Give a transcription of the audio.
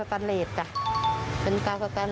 วิสัยธรรมค่ะ